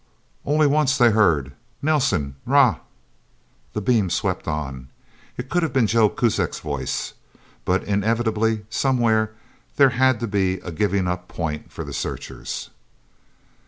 Only once they heard, "Nelsen! Ra..." The beam swept on. It could have been Joe Kuzak's voice. But inevitably, somewhere, there had to be a giving up point for the searchers.